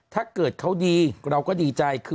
ถ้าเกิดเขาดีเราก็ดีใจ